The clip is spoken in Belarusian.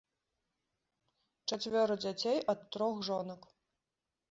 Чацвёра дзяцей ад трох жонак.